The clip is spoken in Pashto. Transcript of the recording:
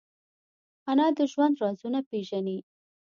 انا د ژوند رازونه پېژني